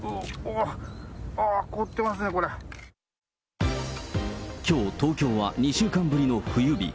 あっ、ああ、きょう、東京は２週間ぶりの冬日。